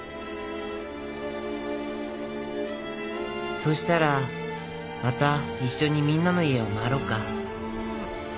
「そしたらまた一緒にみんなの家を回ろうか」